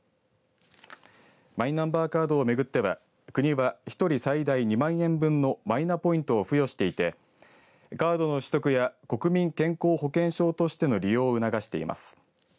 マイナンバーカード巡っては国は１人最大２万円分のマイナポイントを付与していてカードの取得や国民健康保険証としての利用を促しています。